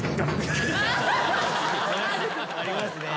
ありますね。